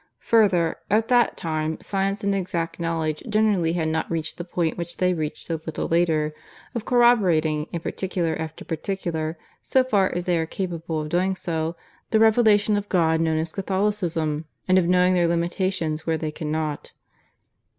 Further, at that time science and exact knowledge generally had not reached the point which they reached a little later of corroborating in particular after particular, so far as they are capable of doing so, the Revelation of God known as Catholicism; and of knowing their limitations where they cannot.